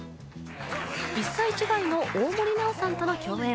１歳違いの大森南朋さんとの共演